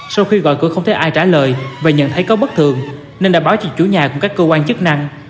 sau khi gọi cửa không thấy ai trả lời và nhận thấy có bất thường nên đã báo cho chủ nhà cùng các cơ quan chức năng